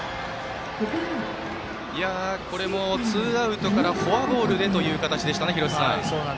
これも、ツーアウトからフォアボールでという形でしたね。